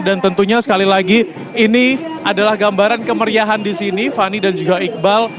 dan tentunya sekali lagi ini adalah gambaran kemeriahan di sini fanny dan juga iqbal